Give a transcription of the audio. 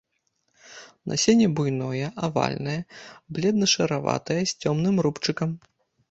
Насенне буйное, авальнае, бледна-шараватае, з цёмным рубчыкам.